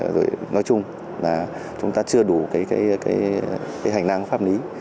rồi nói chung là chúng ta chưa đủ cái hành lang pháp lý